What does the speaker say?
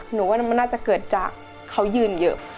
หนูว่ามันน่าจะเกิดจากเขายืนเยอะ